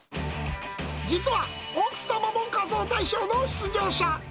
実は奥様も仮装大賞の出場者。